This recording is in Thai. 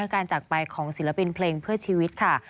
การจากไปของศิลปินเพลงเพื่อชีวิตค่ะ